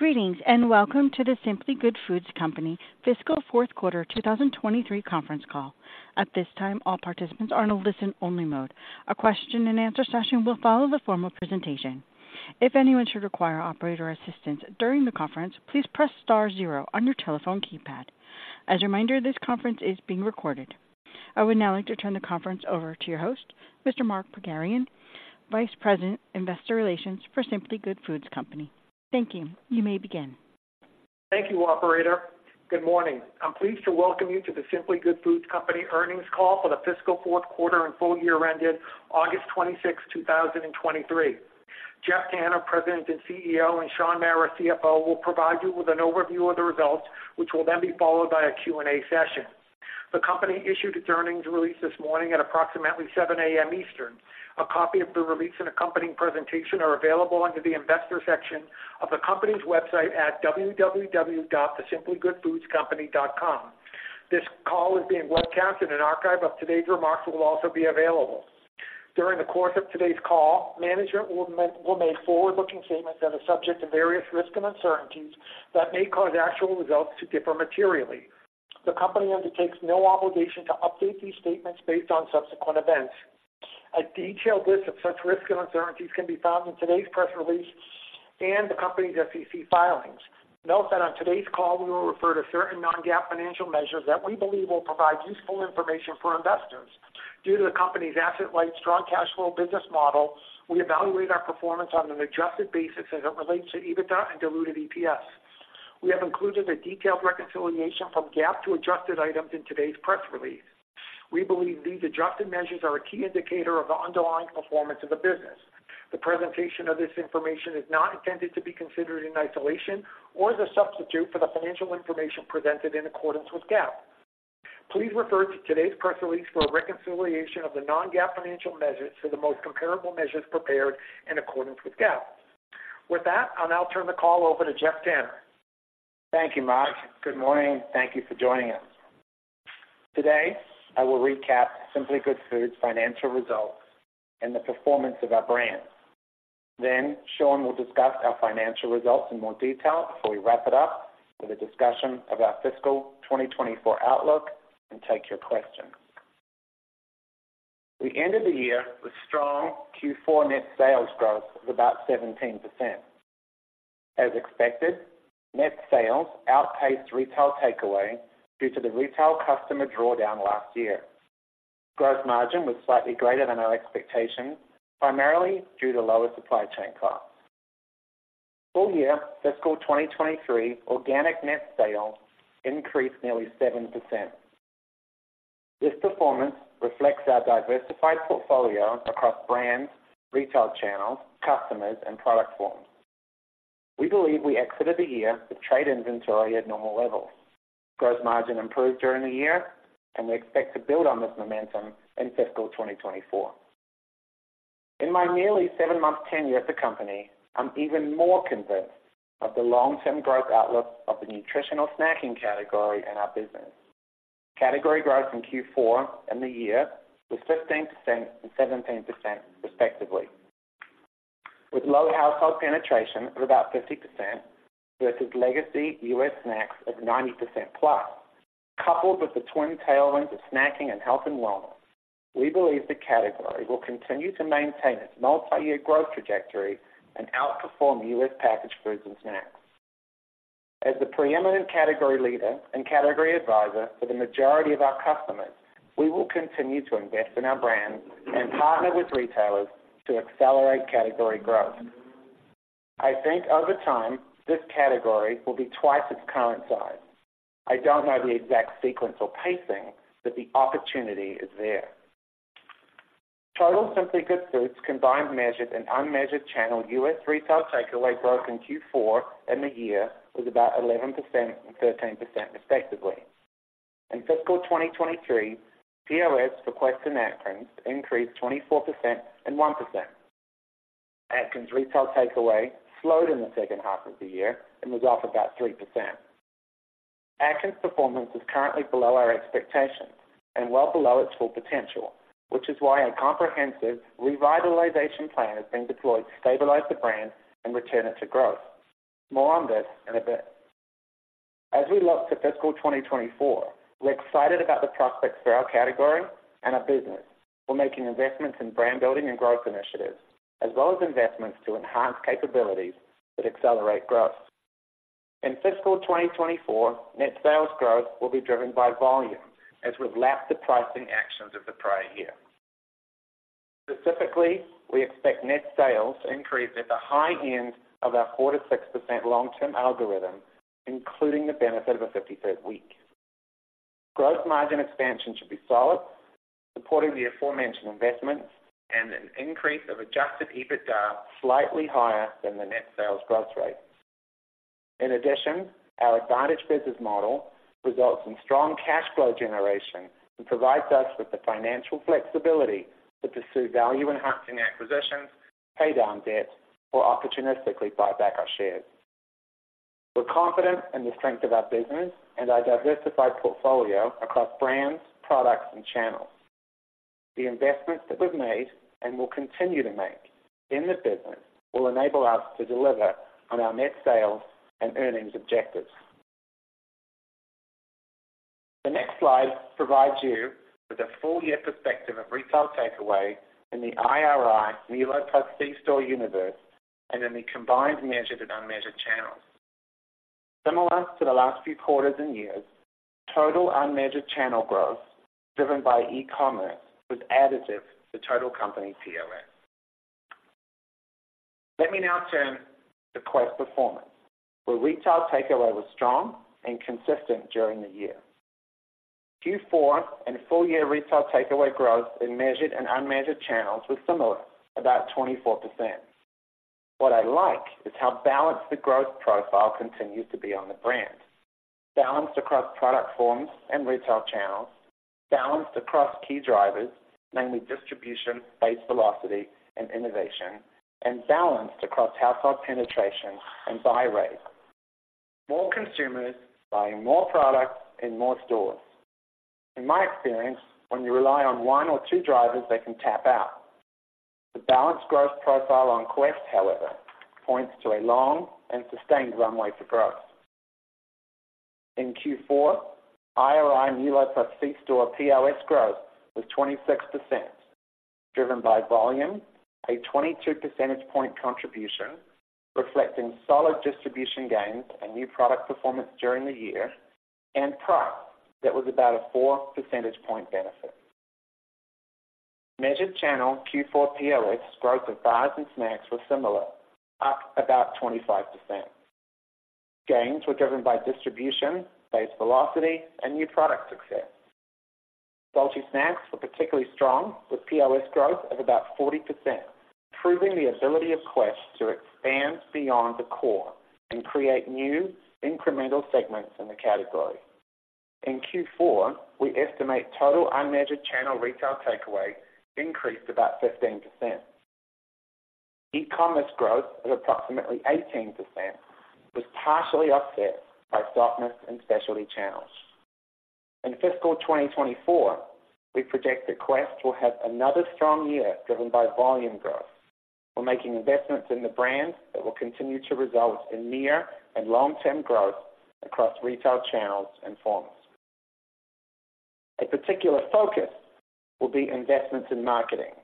Greetings, and welcome to the Simply Good Foods Company fiscal fourth quarter 2023 conference call. At this time, all participants are in a listen-only mode. A question-and-answer session will follow the formal presentation. If anyone should require operator assistance during the conference, please press star zero on your telephone keypad. As a reminder, this conference is being recorded. I would now like to turn the conference over to your host, Mr. Mark Pogharian, Vice President, Investor Relations for Simply Good Foods Company. Thank you. You may begin. Thank you, operator. Good morning. I'm pleased to welcome you to The Simply Good Foods Company earnings call for the fiscal fourth quarter and full year ended August 26, 2023. Geoff Tanner, President and CEO, and Shaun Mara, CFO, will provide you with an overview of the results, which will then be followed by a Q&A session. The company issued its earnings release this morning at approximately 7 A.M. Eastern. A copy of the release and accompanying presentation are available under the Investors section of the company's website at www.thesimplygoodfoodscompany.com. This call is being webcast, and an archive of today's remarks will also be available. During the course of today's call, management will make forward-looking statements that are subject to various risks and uncertainties that may cause actual results to differ materially. The company undertakes no obligation to update these statements based on subsequent events. A detailed list of such risks and uncertainties can be found in today's press release and the company's SEC filings. Note that on today's call, we will refer to certain non-GAAP financial measures that we believe will provide useful information for investors. Due to the company's asset-light, strong cash flow business model, we evaluate our performance on an adjusted basis as it relates to EBITDA and diluted EPS. We have included a detailed reconciliation from GAAP to adjusted items in today's press release. We believe these adjusted measures are a key indicator of the underlying performance of the business. The presentation of this information is not intended to be considered in isolation or as a substitute for the financial information presented in accordance with GAAP. Please refer to today's press release for a reconciliation of the non-GAAP financial measures to the most comparable measures prepared in accordance with GAAP. With that, I'll now turn the call over to Geoff Tanner. Thank you, Mark. Good morning. Thank you for joining us. Today, I will recap Simply Good Foods' financial results and the performance of our brands. Then Shaun will discuss our financial results in more detail before we wrap it up with a discussion of our fiscal 2024 outlook and take your questions. We ended the year with strong Q4 net sales growth of about 17%. As expected, net sales outpaced retail takeaway due to the retail customer drawdown last year. Gross margin was slightly greater than our expectations, primarily due to lower supply chain costs. Full year fiscal 2023 organic net sales increased nearly 7%. This performance reflects our diversified portfolio across brands, retail channels, customers, and product forms. We believe we exited the year with trade inventory at normal levels. Gross margin improved during the year, and we expect to build on this momentum in fiscal 2024. In my nearly seven-month tenure at the company, I'm even more convinced of the long-term growth outlook of the nutritional snacking category in our business. Category growth in Q4 and the year was 15% and 17%, respectively, with low household penetration of about 50% versus legacy U.S. snacks of 90%+, coupled with the twin tailwinds of snacking and health and wellness. We believe the category will continue to maintain its multiyear growth trajectory and outperform U.S. packaged foods and snacks. As the preeminent category leader and category advisor for the majority of our customers, we will continue to invest in our brands and partner with retailers to accelerate category growth. I think over time, this category will be twice its current size. I don't know the exact sequence or pacing, but the opportunity is there. Total Simply Good Foods combined measured and unmeasured channel U.S. retail takeaway growth in Q4 and the year was about 11% and 13%, respectively. In fiscal 2023, POS for Quest and Atkins increased 24% and 1%. Atkins retail takeaway slowed in the second half of the year and was off about 3%. Atkins' performance is currently below our expectations and well below its full potential, which is why a comprehensive revitalization plan is being deployed to stabilize the brand and return it to growth. More on this in a bit. As we look to fiscal 2024, we're excited about the prospects for our category and our business. We're making investments in brand building and growth initiatives, as well as investments to enhance capabilities that accelerate growth. In fiscal 2024, net sales growth will be driven by volume, as we've lapped the pricing actions of the prior year. Specifically, we expect net sales to increase at the high end of our 4%-6% long-term algorithm, including the benefit of a 53rd week. Gross margin expansion should be solid, supporting the aforementioned investments and an increase of Adjusted EBITDA slightly higher than the net sales growth rate. In addition, our advantaged business model results in strong cash flow generation and provides us with the financial flexibility to pursue value-enhancing acquisitions, pay down debt, or opportunistically buy back our shares. We're confident in the strength of our business and our diversified portfolio across brands, products, and channels. The investments that we've made and will continue to make in the business will enable us to deliver on our net sales and earnings objectives. The next slide provides you with a full year perspective of retail takeaway in the IRI Nielsen plus C store universe, and in the combined measured and unmeasured channels. Similar to the last few quarters and years, total unmeasured channel growth, driven by e-commerce, was additive to total company POS. Let me now turn to Quest performance, where retail takeaway was strong and consistent during the year. Q4 and full year retail takeaway growth in measured and unmeasured channels was similar, about 24%. What I like is how balanced the growth profile continues to be on the brand. Balanced across product forms and retail channels, balanced across key drivers, namely distribution, base velocity and innovation, and balanced across household penetration and buy rate. More consumers buying more products in more stores. In my experience, when you rely on one or two drivers, they can tap out. The balanced growth profile on Quest, however, points to a long and sustained runway for growth. In Q4, IRI Nielsen plus C-store POS growth was 26%, driven by volume, a 22 percentage point contribution, reflecting solid distribution gains and new product performance during the year, and price that was about a 4 percentage point benefit. Measured channel Q4 POS growth of bars and snacks were similar, up about 25%. Gains were driven by distribution, base velocity, and new product success. Salty snacks were particularly strong, with POS growth of about 40%, proving the ability of Quest to expand beyond the core and create new incremental segments in the category. In Q4, we estimate total unmeasured channel retail takeaway increased about 15%. E-commerce growth of approximately 18% was partially offset by softness in specialty channels. In fiscal 2024, we project that Quest will have another strong year, driven by volume growth. We're making investments in the brand that will continue to result in near and long-term growth across retail channels and formats. A particular focus will be investments in marketing.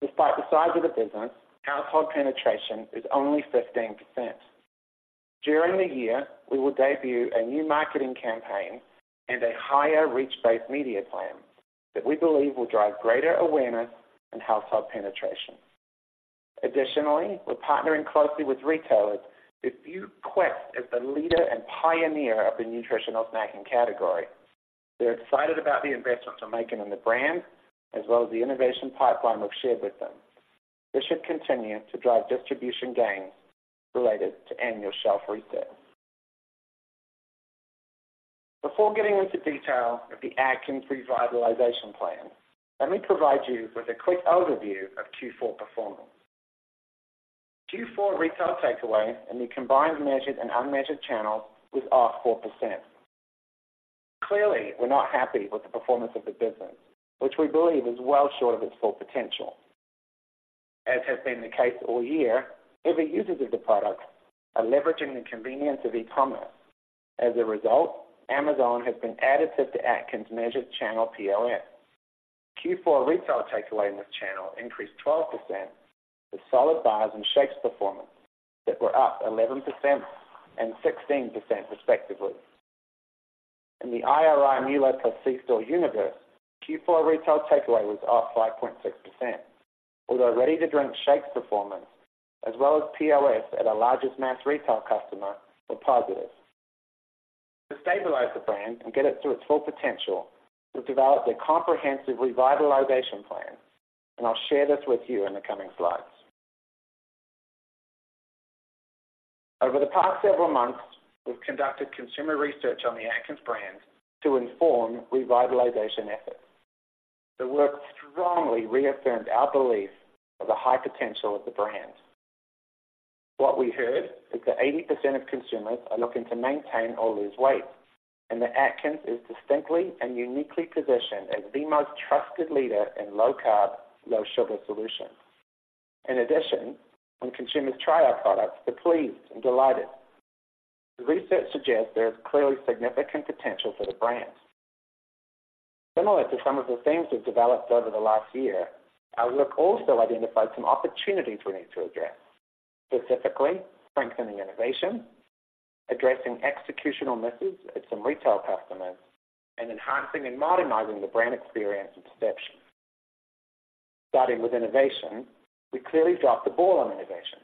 Despite the size of the business, household penetration is only 15%. During the year, we will debut a new marketing campaign and a higher reach-based media plan that we believe will drive greater awareness and household penetration. Additionally, we're partnering closely with retailers to view Quest as the leader and pioneer of the nutritional snacking category. They're excited about the investments we're making in the brand, as well as the innovation pipeline we've shared with them. This should continue to drive distribution gains related to annual shelf resets. Before getting into detail of the Atkins revitalization plan, let me provide you with a quick overview of Q4 performance. Q4 retail takeaway in the combined measured and unmeasured channels was up 4%. Clearly, we're not happy with the performance of the business, which we believe is well short of its full potential. As has been the case all year, heavy users of the product are leveraging the convenience of e-commerce. As a result, Amazon has been additive to Atkins' measured channel POS. Q4 retail takeaway in this channel increased 12%, with solid bars and shakes performance that were up 11% and 16% respectively. In the IRI Nielsen plus C-store universe, Q4 retail takeaway was up 5.6%, although ready-to-drink shakes performance, as well as POS at our largest mass retail customer, were positive. To stabilize the brand and get it to its full potential, we've developed a comprehensive revitalization plan, and I'll share this with you in the coming slides. Over the past several months, we've conducted consumer research on the Atkins brand to inform revitalization efforts. The work strongly reaffirmed our belief of the high potential of the brand. What we heard is that 80% of consumers are looking to maintain or lose weight, and that Atkins is distinctly and uniquely positioned as the most trusted leader in low-carb, low-sugar solutions. In addition, when consumers try our products, they're pleased and delighted. The research suggests there is clearly significant potential for the brand. Similar to some of the themes we've developed over the last year, our work also identified some opportunities we need to address. Specifically, strengthening innovation, addressing executional misses at some retail customers, and enhancing and modernizing the brand experience and perception. Starting with innovation, we clearly dropped the ball on innovation,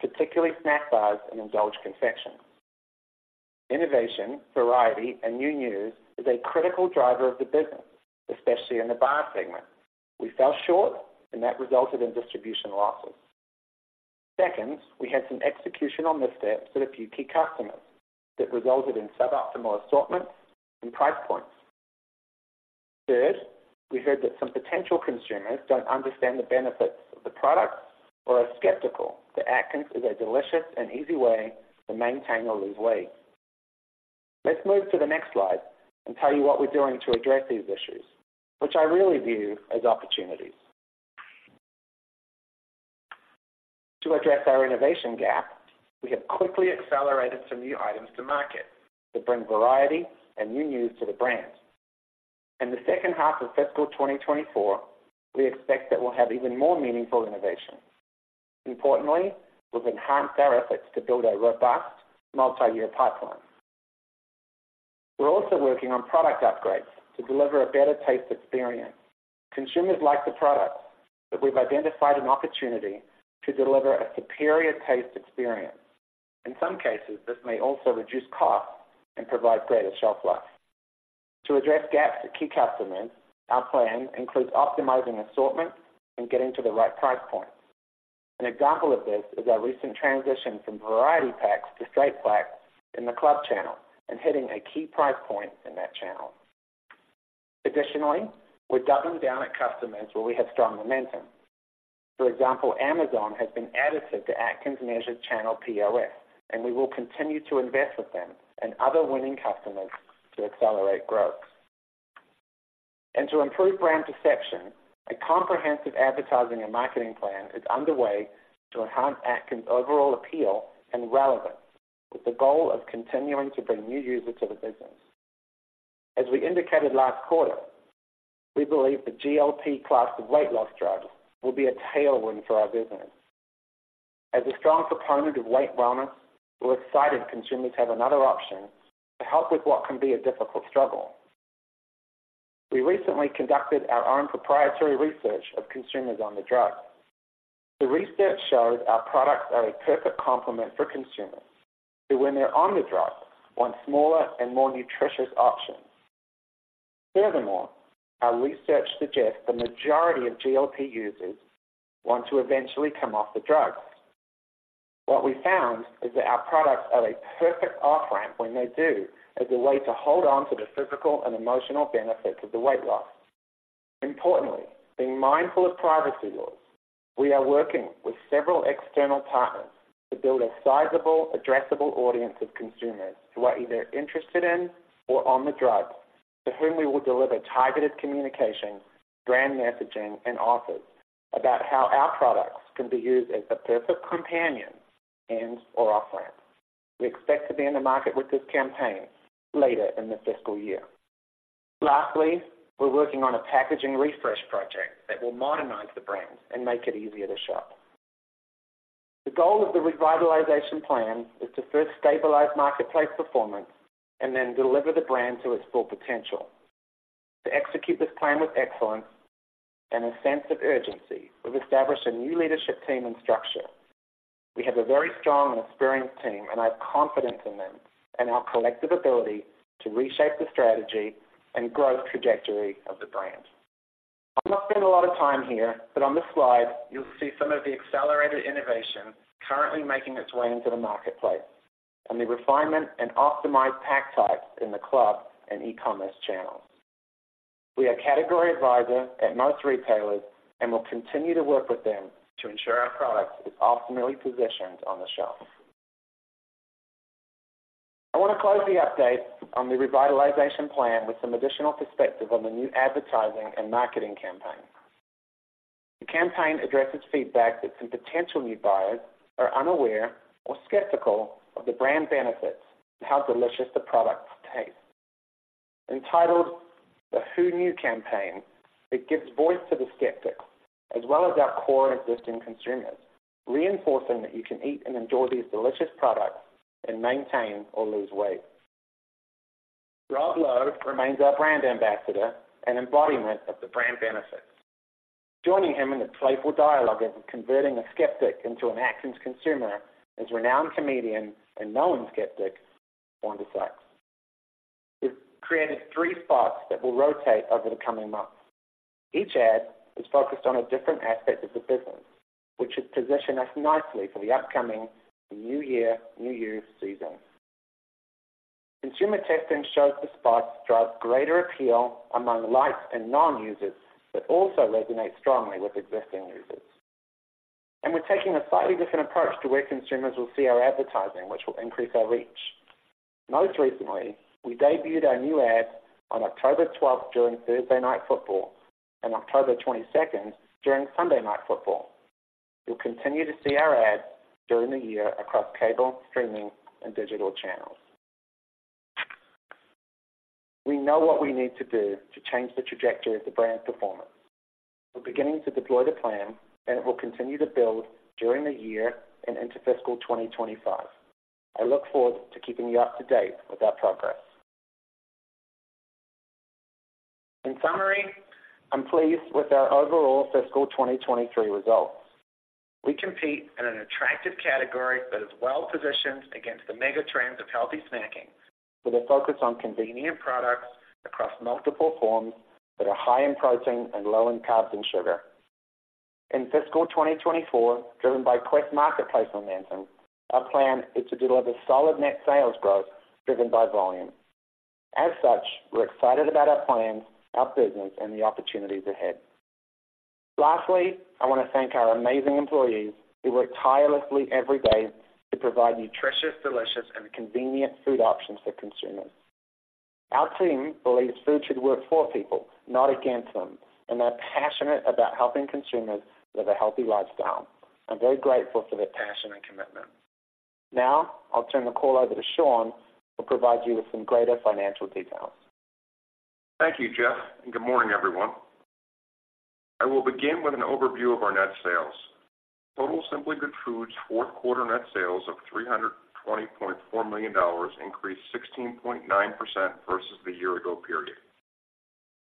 particularly snack bars and Endulge confections. Innovation, variety, and new news is a critical driver of the business, especially in the bar segment. We fell short, and that resulted in distribution losses. Second, we had some executional missteps with a few key customers that resulted in suboptimal assortments and price points. Third, we heard that some potential consumers don't understand the benefits of the product or are skeptical that Atkins is a delicious and easy way to maintain or lose weight. Let's move to the next slide and tell you what we're doing to address these issues, which I really view as opportunities. To address our innovation gap, we have quickly accelerated some new items to market to bring variety and new news to the brand. In the second half of fiscal 2024, we expect that we'll have even more meaningful innovation. Importantly, we've enhanced our efforts to build a robust multi-year pipeline. We're also working on product upgrades to deliver a better taste experience. Consumers like the product, but we've identified an opportunity to deliver a superior taste experience. In some cases, this may also reduce costs and provide greater shelf life. To address gaps to key customers, our plan includes optimizing assortment and getting to the right price point. An example of this is our recent transition from variety packs to straight packs in the club channel and hitting a key price point in that channel. Additionally, we're doubling down on customers where we have strong momentum. For example, Amazon has been additive to Atkins measured channel POS, and we will continue to invest with them and other winning customers to accelerate growth. To improve brand perception, a comprehensive advertising and marketing plan is underway to enhance Atkins' overall appeal and relevance, with the goal of continuing to bring new users to the business. As we indicated last quarter, we believe the GLP class of weight loss drugs will be a tailwind for our business. As a strong proponent of weight wellness, we're excited consumers have another option to help with what can be a difficult struggle. We recently conducted our own proprietary research of consumers on the drug. The research shows our products are a perfect complement for consumers, who, when they're on the drug, want smaller and more nutritious options. Furthermore, our research suggests the majority of GLP users want to eventually come off the drug. What we found is that our products are a perfect off-ramp when they do, as a way to hold on to the physical and emotional benefits of the weight loss. Importantly, being mindful of privacy laws, we are working with several external partners to build a sizable, addressable audience of consumers who are either interested in or on the drugs, to whom we will deliver targeted communication, brand messaging, and offers about how our products can be used as the perfect companion and/or off-ramp. We expect to be in the market with this campaign later in the fiscal year. Lastly, we're working on a packaging refresh project that will modernize the brand and make it easier to shop. The goal of the revitalization plan is to first stabilize marketplace performance and then deliver the brand to its full potential. To execute this plan with excellence and a sense of urgency, we've established a new leadership team and structure. We have a very strong and experienced team, and I have confidence in them and our collective ability to reshape the strategy and growth trajectory of the brand. I'll not spend a lot of time here, but on this slide, you'll see some of the accelerated innovation currently making its way into the marketplace and the refinement and optimized pack types in the club and e-commerce channels. We are category advisor at most retailers and will continue to work with them to ensure our product is optimally positioned on the shelf. I want to close the update on the revitalization plan with some additional perspective on the new advertising and marketing campaign. The campaign addresses feedback that some potential new buyers are unaware or skeptical of the brand benefits and how delicious the products taste. Entitled The Who Knew campaign, it gives voice to the skeptics as well as our core existing consumers, reinforcing that you can eat and enjoy these delicious products and maintain or lose weight. Rob Lowe remains our brand ambassador and embodiment of the brand benefits. Joining him in the playful dialogue of converting a skeptic into an Atkins consumer is renowned comedian and known skeptic, Wanda Sykes. We've created three spots that will rotate over the coming months. Each ad is focused on a different aspect of the business, which should position us nicely for the upcoming New Year, New You season. Consumer testing shows the spots drive greater appeal among light and non-users, but also resonate strongly with existing users. We're taking a slightly different approach to where consumers will see our advertising, which will increase our reach. Most recently, we debuted our new ad on October 12, during Thursday Night Football, and October 22, during Sunday Night Football. You'll continue to see our ads during the year across cable, streaming, and digital channels. We know what we need to do to change the trajectory of the brand's performance. We're beginning to deploy the plan, and it will continue to build during the year and into fiscal 2025. I look forward to keeping you up-to-date with our progress. In summary, I'm pleased with our overall fiscal 2023 results. We compete in an attractive category that is well-positioned against the mega trends of healthy snacking, with a focus on convenient products across multiple forms that are high in protein and low in carbs and sugar. In fiscal 2024, driven by Quest marketplace momentum, our plan is to deliver solid net sales growth driven by volume. As such, we're excited about our plans, our business, and the opportunities ahead. Lastly, I wanna thank our amazing employees, who work tirelessly every day to provide nutritious, delicious, and convenient food options for consumers. Our team believes food should work for people, not against them, and they're passionate about helping consumers live a healthy lifestyle. I'm very grateful for their passion and commitment. Now, I'll turn the call over to Shaun, who will provide you with some greater financial details. Thank you, Geoff, and good morning, everyone. I will begin with an overview of our net sales. Total Simply Good Foods' fourth quarter net sales of $320.4 million increased 16.9% versus the year ago period.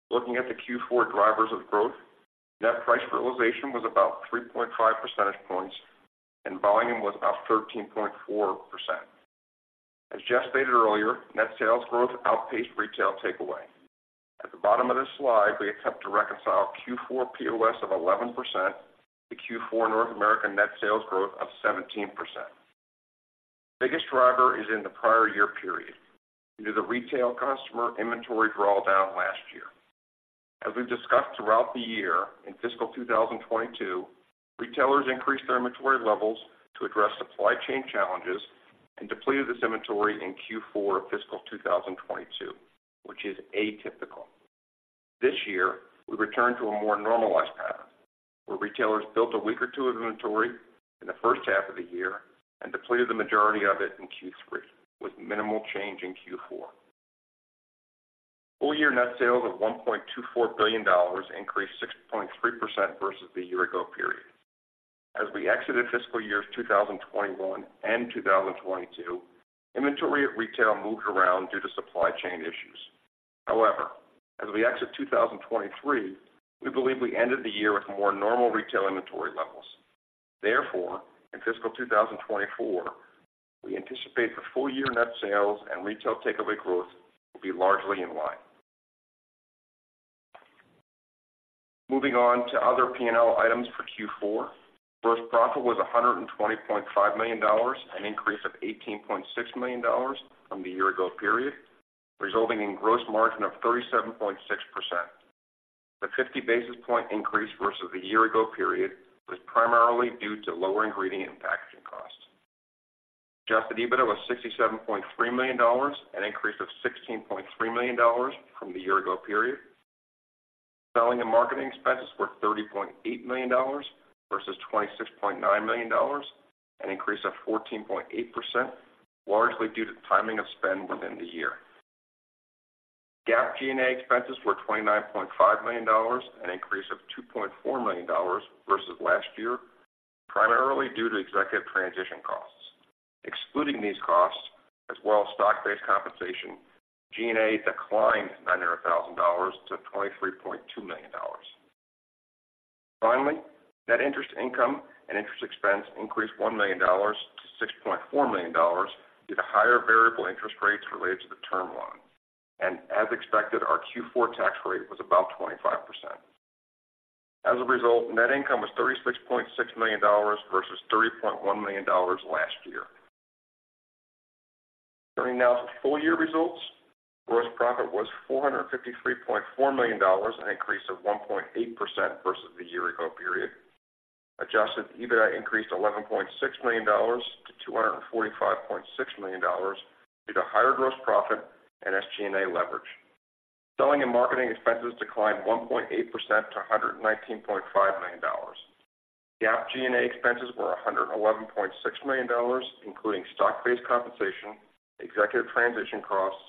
Looking at the Q4 drivers of growth, net price realization was about 3.5 percentage points, and volume was about 13.4%. As Geoff stated earlier, net sales growth outpaced retail takeaway. At the bottom of this slide, we attempt to reconcile Q4 POS of 11% to Q4 North American net sales growth of 17%. Biggest driver is in the prior year period, due to the retail customer inventory drawdown last year. As we've discussed throughout the year, in fiscal 2022, retailers increased their inventory levels to address supply chain challenges and depleted this inventory in Q4 of fiscal 2022, which is atypical. This year, we returned to a more normalized pattern, where retailers built a week or two of inventory in the first half of the year and depleted the majority of it in Q3, with minimal change in Q4. Full-year net sales of $1.24 billion increased 6.3% versus the year-ago period. As we exited fiscal years 2021 and 2022, inventory at retail moved around due to supply chain issues. However, as we exit 2023, we believe we ended the year with more normal retail inventory levels. Therefore, in fiscal 2024, we anticipate the full year net sales and retail takeaway growth will be largely in line. Moving on to other P&L items for Q4. Gross profit was $120.5 million, an increase of $18.6 million from the year ago period, resulting in gross margin of 37.6%. The 50 basis point increase versus the year ago period was primarily due to lower ingredient and packaging costs. Adjusted EBITDA was $67.3 million, an increase of $16.3 million from the year ago period. Selling and marketing expenses were $30.8 million versus $26.9 million, an increase of 14.8%, largely due to timing of spend within the year. GAAP G&A expenses were $29.5 million, an increase of $2.4 million versus last year, primarily due to executive transition costs. Excluding these costs, as well as stock-based compensation, G&A declined $900,000-$23.2 million. Finally, net interest income and interest expense increased $1 million to $6.4 million due to higher variable interest rates related to the term loan. As expected, our Q4 tax rate was about 25%. As a result, net income was $36.6 million versus $30.1 million last year. Turning now to full year results. Gross profit was $453.4 million, an increase of 1.8% versus the year ago period. Adjusted EBITDA increased $11.6 million-$245.6 million due to higher gross profit and SG&A leverage. Selling and marketing expenses declined 1.8% to $119.5 million. GAAP G&A expenses were $111.6 million, including stock-based compensation, executive transition costs,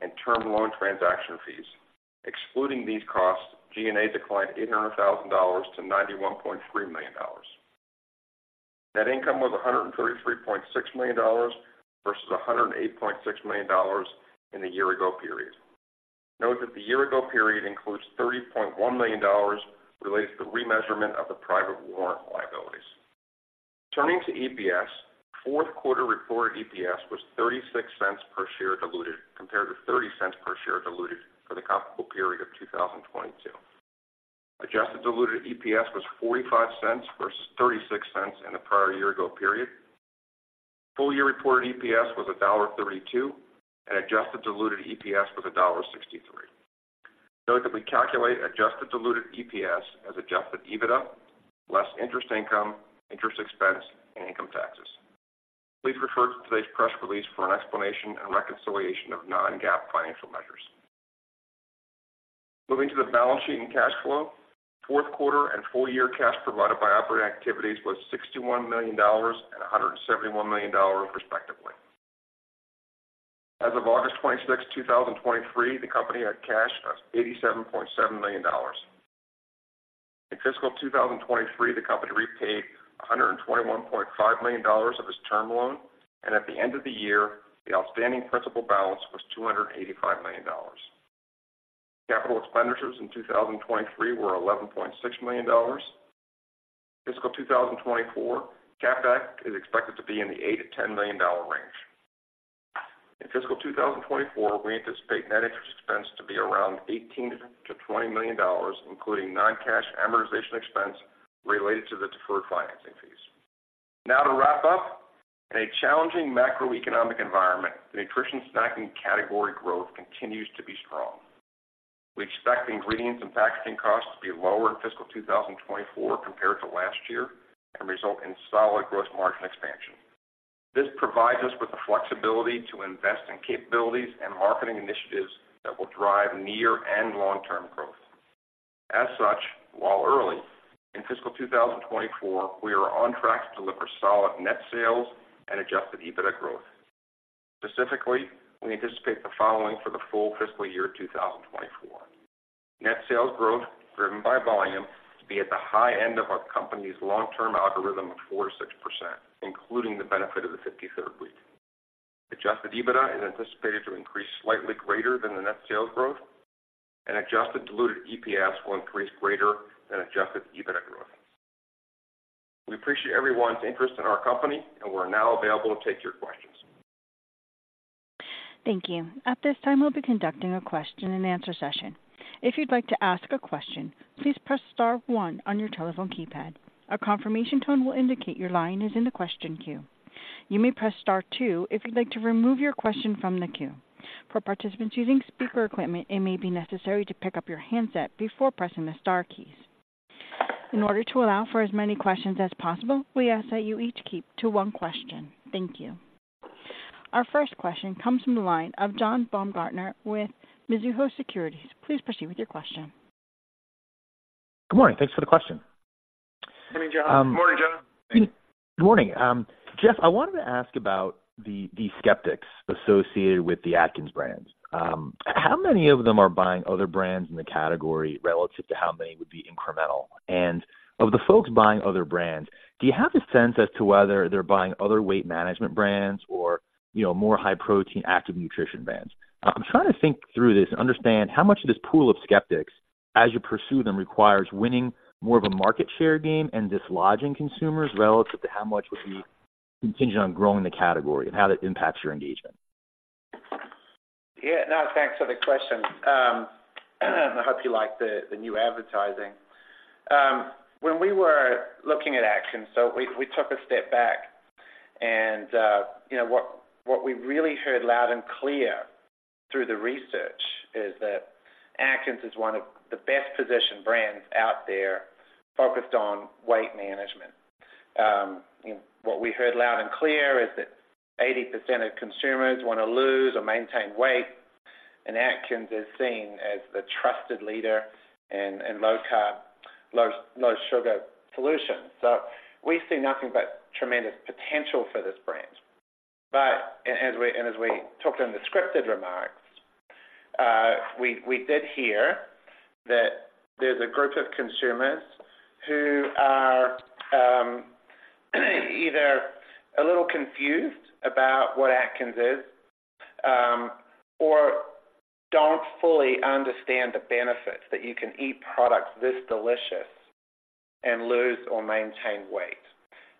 and term loan transaction fees. Excluding these costs, G&A declined $800,000-$91.3 million. Net income was $133.6 million versus $108.6 million in the year ago period. Note that the year ago period includes $30.1 million related to the remeasurement of the private warrant liabilities. Turning to EPS, fourth quarter reported EPS was $0.36 per share diluted, compared to $0.30 per share diluted for the comparable period of 2022. Adjusted diluted EPS was $0.45 versus $0.36 in the prior year ago period. Full year reported EPS was $1.32, and adjusted diluted EPS was $1.63. Note that we calculate adjusted diluted EPS as adjusted EBITDA, less interest income, interest expense, and income taxes. Please refer to today's press release for an explanation and reconciliation of non-GAAP financial measures. Moving to the balance sheet and cash flow. Fourth quarter and full year cash provided by operating activities was $61 million and $171 million, respectively. As of August 26, 2023, the company had cash of $87.7 million. In fiscal 2023, the company repaid $121.5 million of its term loan, and at the end of the year, the outstanding principal balance was $285 million. Capital expenditures in 2023 were $11.6 million. Fiscal 2024, CapEx is expected to be in the $8 million-$10 million range. In fiscal 2024, we anticipate net interest expense to be around $18 million-$20 million, including non-cash amortization expense related to the deferred financing fees. Now to wrap up, in a challenging macroeconomic environment, the nutrition snacking category growth continues to be strong. We expect ingredients and packaging costs to be lower in fiscal 2024 compared to last year and result in solid gross margin expansion. This provides us with the flexibility to invest in capabilities and marketing initiatives that will drive near and long-term growth. As such, while early in fiscal 2024, we are on track to deliver solid net sales and Adjusted EBITDA growth. Specifically, we anticipate the following for the full fiscal year 2024. Net sales growth, driven by volume, to be at the high end of our company's long-term algorithm of 4%-6%, including the benefit of the 53rd week. Adjusted EBITDA is anticipated to increase slightly greater than the net sales growth, and Adjusted Diluted EPS will increase greater than Adjusted EBITDA growth. We appreciate everyone's interest in our company, and we're now available to take your questions. Thank you. At this time, we'll be conducting a question-and-answer session. If you'd like to ask a question, please press star one on your telephone keypad. A confirmation tone will indicate your line is in the question queue. You may press star two if you'd like to remove your question from the queue. For participants using speaker equipment, it may be necessary to pick up your handset before pressing the star keys. In order to allow for as many questions as possible, we ask that you each keep to one question. Thank you. Our first question comes from the line of John Baumgartner with Mizuho Securities. Please proceed with your question. Good morning. Thanks for the question. Good morning, John. Good morning, John. Good morning. Geoff, I wanted to ask about the skeptics associated with the Atkins brands. How many of them are buying other brands in the category relative to how many would be incremental? And of the folks buying other brands, do you have a sense as to whether they're buying other weight management brands or, you know, more high-protein, active nutrition brands? I'm trying to think through this and understand how much of this pool of skeptics, as you pursue them, requires winning more of a market share game and dislodging consumers relative to how much would be contingent on growing the category and how that impacts your engagement. Yeah. No, thanks for the question. I hope you like the new advertising. When we were looking at Atkins, we took a step back and you know what we really heard loud and clear through the research is that Atkins is one of the best-positioned brands out there focused on weight management. And what we heard loud and clear is that 80% of consumers want to lose or maintain weight, and Atkins is seen as the trusted leader in low-carb, low sugar solutions. So we see nothing but tremendous potential for this brand. But as we and as we talked in the scripted remarks, we did hear that there's a group of consumers who are either a little confused about what Atkins is or don't fully understand the benefits that you can eat products this delicious and lose or maintain weight.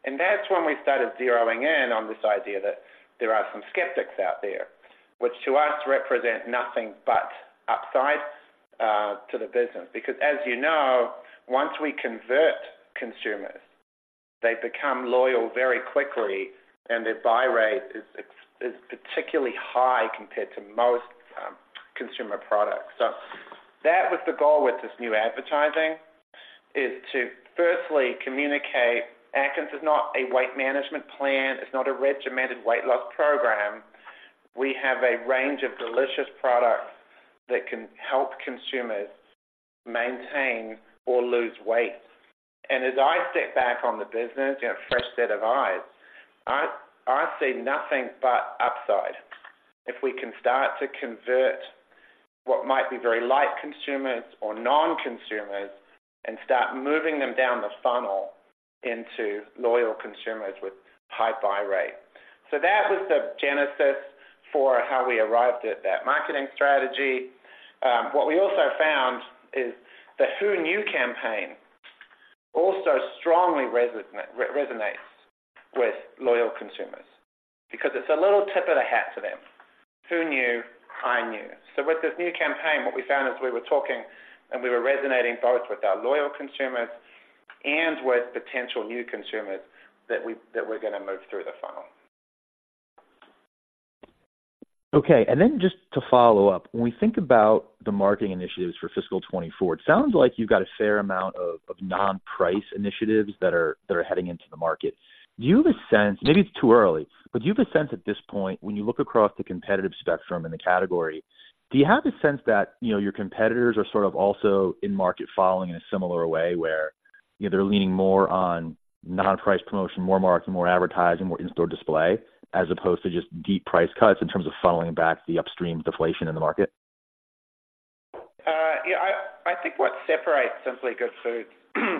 And that's when we started zeroing in on this idea that there are some skeptics out there, which to us represent nothing but upside to the business. Because as you know, once we convert consumers, they become loyal very quickly, and their buy rate is particularly high compared to most consumer products. So that was the goal with this new advertising, is to firstly communicate Atkins is not a weight management plan. It's not a regimented weight loss program. We have a range of delicious products that can help consumers maintain or lose weight. As I step back on the business, you know, fresh set of eyes, I see nothing but upside. If we can start to convert what might be very light consumers or non-consumers and start moving them down the funnel into loyal consumers with high buy rate. So that was the genesis for how we arrived at that marketing strategy. What we also found is the Who Knew? campaign also strongly resonates with loyal consumers because it's a little tip of the hat to them. Who knew? I knew. So with this new campaign, what we found is we were talking, and we were resonating both with our loyal consumers and with potential new consumers that we, that we're gonna move through the funnel. Okay, and then just to follow up, when we think about the marketing initiatives for fiscal 2024, it sounds like you've got a fair amount of, of non-price initiatives that are, that are heading into the market. Do you have a sense? Maybe it's too early, but do you have a sense at this point, when you look across the competitive spectrum in the category, do you have a sense that, you know, your competitors are sort of also in market following in a similar way, where, you know, they're leaning more on non-price promotion, more marketing, more advertising, more in-store display, as opposed to just deep price cuts in terms of funneling back the upstream deflation in the market? Yeah, I think what separates Simply Good Foods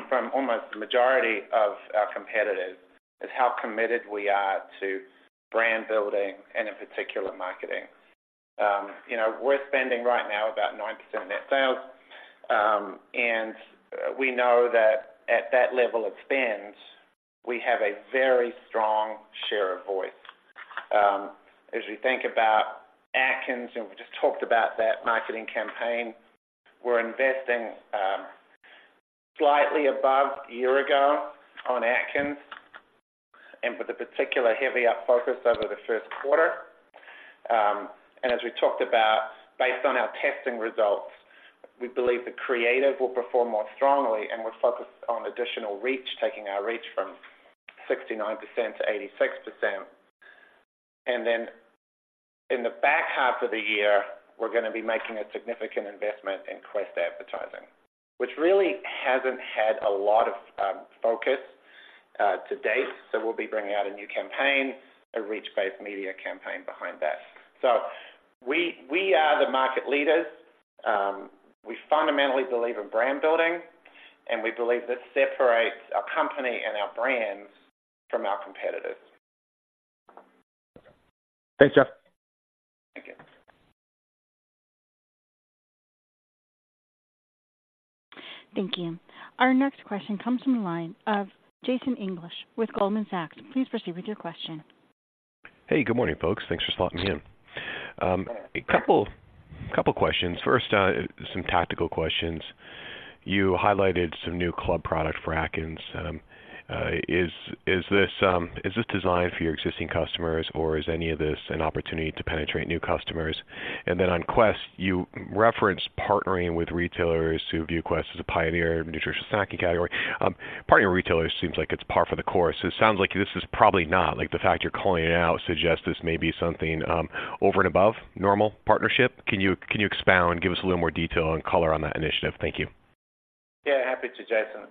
from almost the majority of our competitors, is how committed we are to brand building and in particular, marketing. You know, we're spending right now about 9% of net sales, and we know that at that level of spend, we have a very strong share of voice. As we think about Atkins, and we just talked about that marketing campaign, we're investing, slightly above a year ago on Atkins, and with a particular heavy up focus over the first quarter. And as we talked about, based on our testing results, we believe the creative will perform more strongly, and we're focused on additional reach, taking our reach from 69%-86%. Then in the back half of the year, we're gonna be making a significant investment in Quest advertising, which really hasn't had a lot of focus to date. We'll be bringing out a new campaign, a reach-based media campaign behind that. We are the market leaders. We fundamentally believe in brand building, and we believe this separates our company and our brands from our competitors. Thanks, Geoff. Thank you. Thank you. Our next question comes from the line of Jason English with Goldman Sachs. Please proceed with your question. Hey, good morning, folks. Thanks for slotting me in. A couple, couple questions. First, some tactical questions. You highlighted some new club product for Atkins. Is this designed for your existing customers, or is any of this an opportunity to penetrate new customers? And then on Quest, you referenced partnering with retailers who view Quest as a pioneer in nutritious snacking category. Partnering with retailers seems like it's par for the course. It sounds like this is probably not, like, the fact you're calling it out suggests this may be something over and above normal partnership. Can you expound, give us a little more detail and color on that initiative? Thank you. Yeah, happy to, Jason.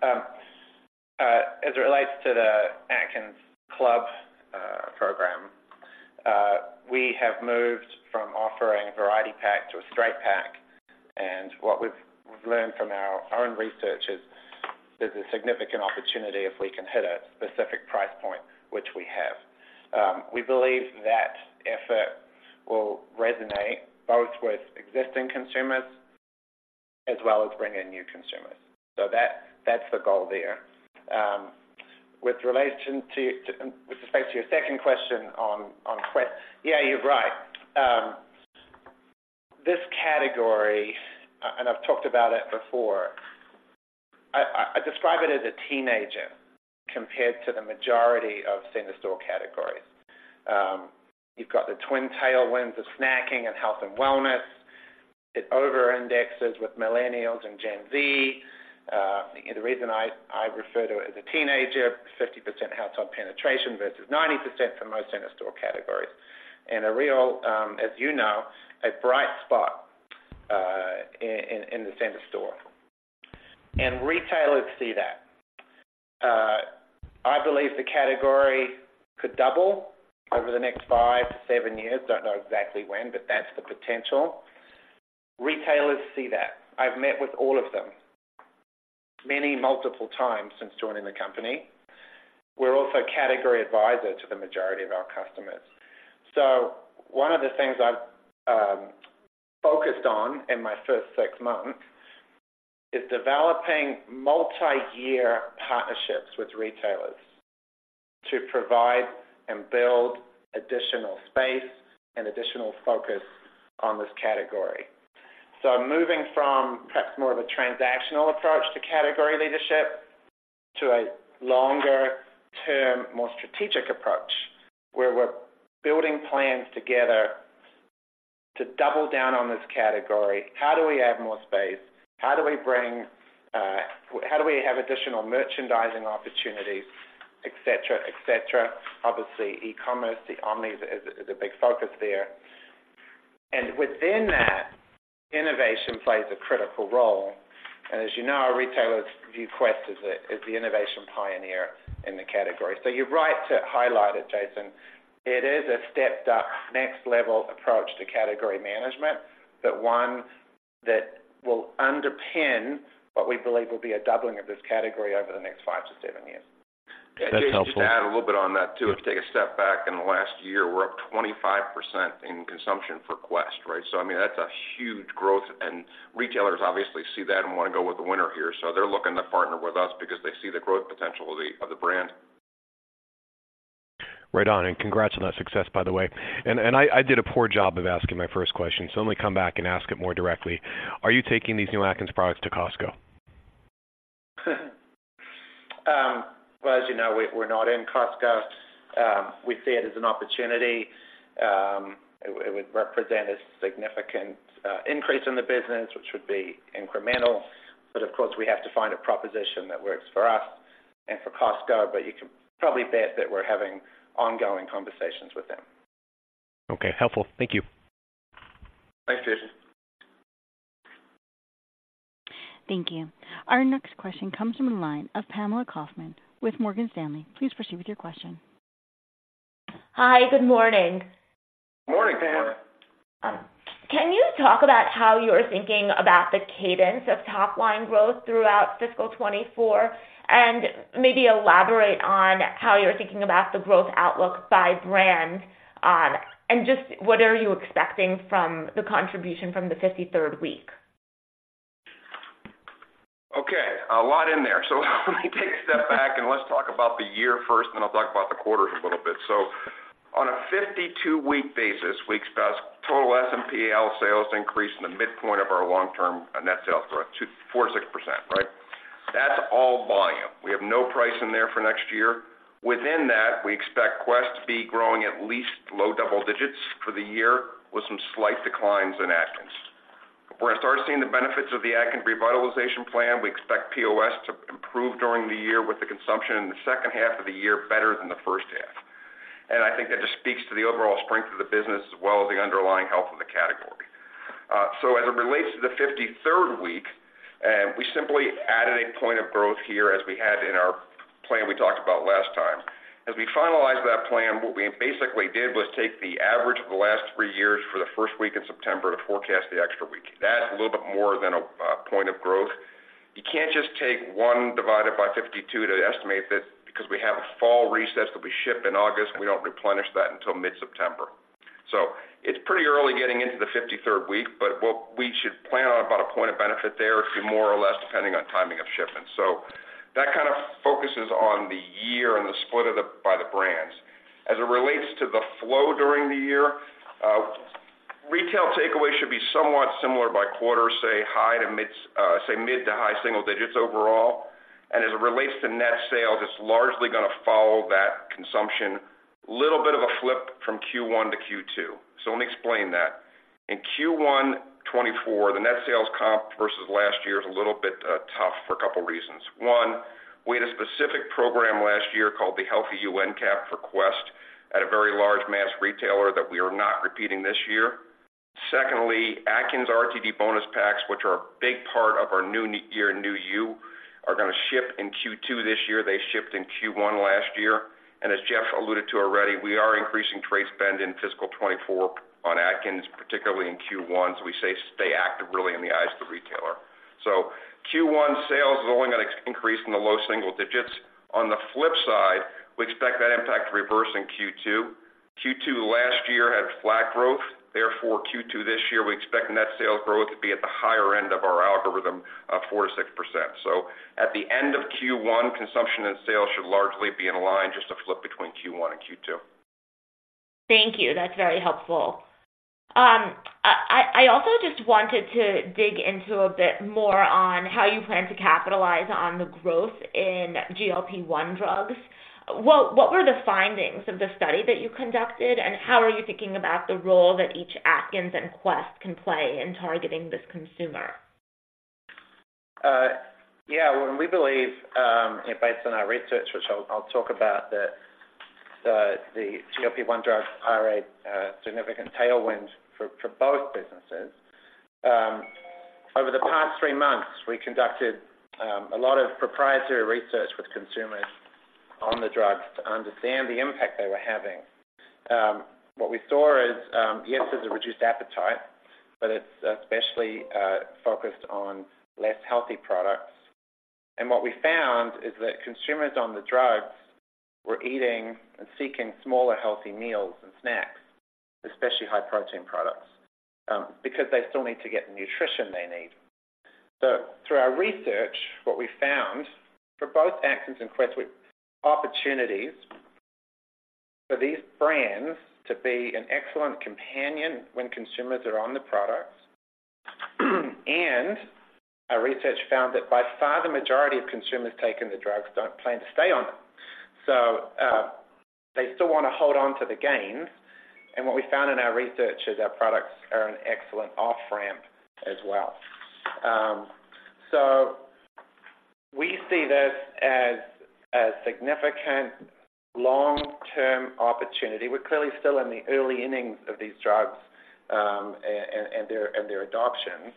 As it relates to the Atkins Club program, we have moved from offering a variety pack to a straight pack. And what we've learned from our own research is there's a significant opportunity if we can hit a specific price point, which we have. We believe that effort will resonate both with existing consumers as well as bring in new consumers. So that's the goal there. With relation to, with respect to your second question on Quest, yeah, you're right. This category, and I've talked about it before, I describe it as a teenager compared to the majority of center store categories. You've got the twin tailwinds of snacking and health and wellness. It over indexes with millennials and Gen Z. The reason I refer to it as a teenager, 50% household penetration versus 90% for most center store categories. And a real, as you know, a bright spot in the center store. And retailers see that. I believe the category could double over the next five to seven years. Don't know exactly when, but that's the potential. Retailers see that. I've met with all of them, many multiple times since joining the company. We're also category advisor to the majority of our customers. So one of the things I've focused on in my first six months is developing multiyear partnerships with retailers to provide and build additional space and additional focus on this category. So I'm moving from perhaps more of a transactional approach to category leadership to a longer-term, more strategic approach, where we're building plans together to double down on this category. How do we add more space? How do we bring... How do we have additional merchandising opportunities? Et cetera, et cetera. Obviously, e-commerce, the omni is a, is a big focus there. And within that, innovation plays a critical role. And as you know, our retailers view Quest as the, as the innovation pioneer in the category. So you're right to highlight it, Jason. It is a stepped-up, next-level approach to category management, but one that will underpin what we believe will be a doubling of this category over the next five-to-seven years. That's helpful. Just to add a little bit on that, too, if you take a step back in the last year, we're up 25% in consumption for Quest, right? So I mean, that's a huge growth, and retailers obviously see that and want to go with the winner here. So they're looking to partner with us because they see the growth potential of the brand. Right on, and congrats on that success, by the way. And, and I, I did a poor job of asking my first question, so let me come back and ask it more directly: Are you taking these new Atkins products to Costco? Well, as you know, we're not in Costco. We see it as an opportunity. It would represent a significant increase in the business, which would be incremental. But of course, we have to find a proposition that works for us and for Costco, but you can probably bet that we're having ongoing conversations with them. Okay, helpful. Thank you. Thanks, Jason. Thank you. Our next question comes from the line of Pamela Kaufman with Morgan Stanley. Please proceed with your question. Hi, good morning. Good morning, Pam. Can you talk about how you're thinking about the cadence of top-line growth throughout fiscal 2024? And maybe elaborate on how you're thinking about the growth outlook by brand, and just what are you expecting from the contribution from the fifty-third week? Okay, a lot in there. Let me take a step back, and let's talk about the year first, then I'll talk about the quarters a little bit. On a 52-week basis, we expect total SMPL sales to increase in the midpoint of our long-term net sales growth, 4%-6%, right? That's all volume. We have no price in there for next year. Within that, we expect Quest to be growing at least low double digits for the year, with some slight declines in Atkins. We're gonna start seeing the benefits of the Atkins revitalization plan. We expect POS to improve during the year, with the consumption in the second half of the year better than the first half. I think that just speaks to the overall strength of the business as well as the underlying health of the category. So as it relates to the 53rd week, we simply added a point of growth here, as we had in our plan we talked about last time. As we finalized that plan, what we basically did was take the average of the last three years for the first week in September to forecast the extra week. That's a little bit more than a point of growth. You can't just take one divided by 52 to estimate this, because we have a fall reset that we ship in August, and we don't replenish that until mid-September. So it's pretty early getting into the 53rd week, but what we should plan on about a point of benefit there, it'll be more or less, depending on timing of shipments. So that kind of focuses on the year and the split of the, by the brands. As it relates to the flow during the year, retail takeaway should be somewhat similar by quarter, say, high to mid, say, mid to high single digits overall. And as it relates to net sales, it's largely gonna follow that consumption. Little bit of a flip from Q1 to Q2, so let me explain that. In Q1 2024, the net sales comp versus last year is a little bit tough for a couple reasons. One, we had a specific program last year called the Healthy UN Cap for Quest at a very large mass retailer that we are not repeating this year. Secondly, Atkins RTD bonus packs, which are a big part of our New Year, New You, are gonna ship in Q2 this year. They shipped in Q1 last year, and as Geoff alluded to already, we are increasing trade spend in fiscal 2024 on Atkins, particularly in Q1, so we say, stay active really in the eyes of the retailer. So Q1 sales is only gonna increase in the low single digits. On the flip side, we expect that impact to reverse in Q2. Q2 last year had flat growth. Therefore, Q2 this year, we expect net sales growth to be at the higher end of our algorithm of 4%-6%. So at the end of Q1, consumption and sales should largely be in line, just a flip between Q1 and Q2. Thank you. That's very helpful. I also just wanted to dig into a bit more on how you plan to capitalize on the growth in GLP-1 drugs. What were the findings of the study that you conducted, and how are you thinking about the role that each Atkins and Quest can play in targeting this consumer? Yeah, well, we believe, based on our research, which I'll talk about, that the GLP-1 drugs are a significant tailwind for both businesses. Over the past three months, we conducted a lot of proprietary research with consumers on the drugs to understand the impact they were having. What we saw is, yes, it's a reduced appetite, but it's especially focused on less healthy products. And what we found is that consumers on the drugs were eating and seeking smaller, healthy meals and snacks, especially high-protein products, because they still need to get the nutrition they need. So through our research, what we found for both Atkins and Quest, were opportunities for these brands to be an excellent companion when consumers are on the products. Our research found that by far, the majority of consumers taking the drugs don't plan to stay on them. So, they still wanna hold on to the gains, and what we found in our research is our products are an excellent off-ramp as well. So we see this as a significant long-term opportunity. We're clearly still in the early innings of these drugs, and their adoption,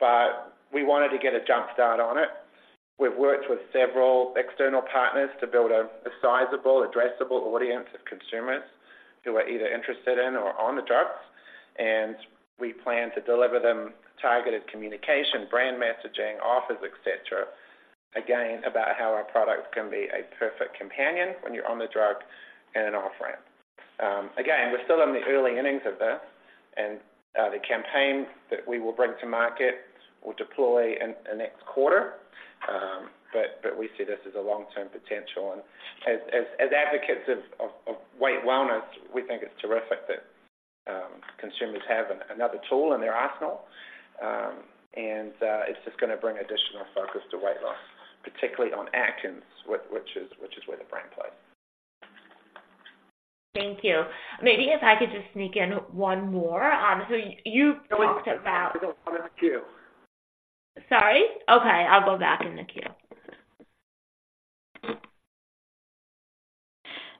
but we wanted to get a jump start on it. We've worked with several external partners to build a sizable, addressable audience of consumers who are either interested in or on the drugs, and we plan to deliver them targeted communication, brand messaging, offers, et cetera, again, about how our products can be a perfect companion when you're on the drug and an off-ramp. Again, we're still in the early innings of this, and the campaign that we will bring to market will deploy in the next quarter. But we see this as a long-term potential. And as advocates of weight wellness, we think it's terrific that consumers have another tool in their arsenal. And it's just gonna bring additional focus to weight loss, particularly on Atkins, which is where the brand plays. Thank you. Maybe if I could just sneak in one more. So you talked about. Go on in the queue. Sorry? Okay, I'll go back in the queue.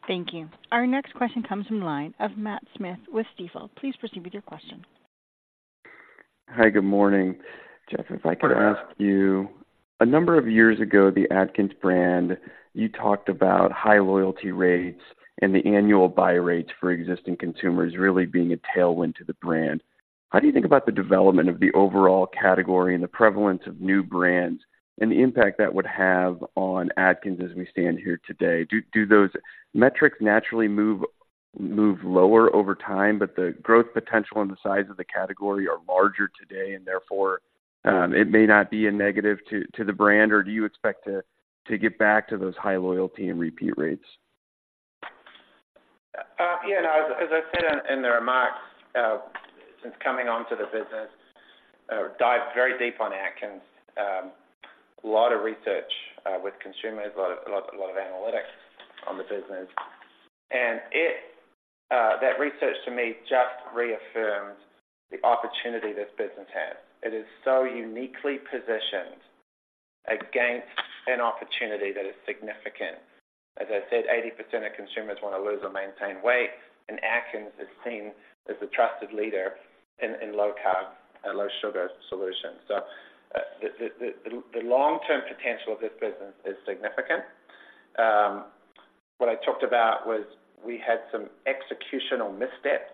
Thank you. Our next question comes from the line of Matt Smith with Stifel. Please proceed with your question. Hi, good morning Geoff. Good morning. If I could ask you, a number of years ago, the Atkins brand, you talked about high loyalty rates and the annual buy rates for existing consumers really being a tailwind to the brand. How do you think about the development of the overall category and the prevalence of new brands and the impact that would have on Atkins as we stand here today? Do those metrics naturally move up... move lower over time, but the growth potential and the size of the category are larger today, and therefore, it may not be a negative to the brand, or do you expect to get back to those high loyalty and repeat rates? Yeah, as I said in the remarks, since coming onto the business, dived very deep on Atkins. A lot of research with consumers, a lot of analytics on the business. And that research to me just reaffirms the opportunity this business has. It is so uniquely positioned against an opportunity that is significant. As I said, 80% of consumers want to lose or maintain weight, and Atkins is seen as a trusted leader in low carb and low sugar solutions. So, the long-term potential of this business is significant. What I talked about was we had some executional missteps